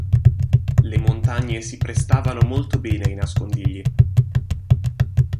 Le montagne si prestavano molto bene ai nascondigli.